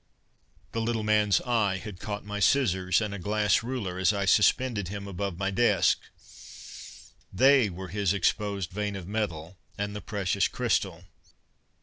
_The little man's eye had caught my scissors and a glass ruler as I suspended him above my desk. They were his exposed vein of metal and the precious crystal.